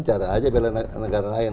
cara aja belanegara lain